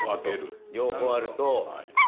東山：両方あると。